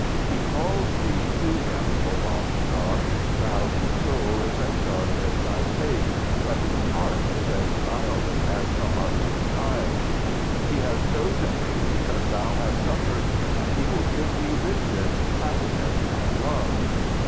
"He calls thee to Him, O Balthasar, thou whose soul is as dark as thy face, but whose heart is as guileless as the heart of a child. "He has chosen thee because thou hast suffered, and He will give thee riches, happiness and love.